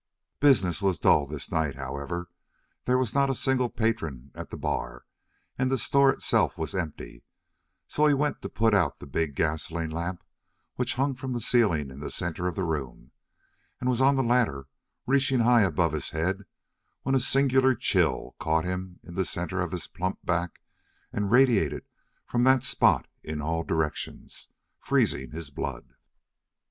Business was dull this night, however; there was not a single patron at the bar, and the store itself was empty, so he went to put out the big gasoline lamp which hung from the ceiling in the center of the room, and was on the ladder, reaching high above his head, when a singular chill caught him in the center of his plump back and radiated from that spot in all directions, freezing his blood.